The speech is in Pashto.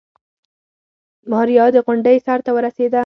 ماريا د غونډۍ سر ته ورسېده.